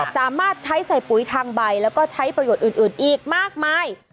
สามารถใช้ใส่ปุ๋ยทางใบแล้วก็ใช้ประโยชน์อื่นอีกมากมาย